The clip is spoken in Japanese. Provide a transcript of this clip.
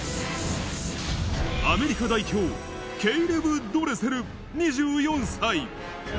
アメリカ代表、ケイレブ・ドレセル２４歳。